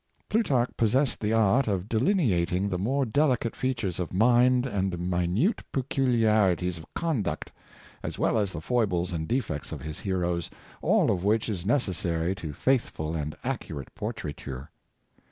Plutarch possessed the art of delineating the more delicate features of mind and minute peculiarities of conduct, as well as the foibles and defects of his heroes, all of which is necessary to faithful and accurate por Genius of Plutarch, 551 traiture.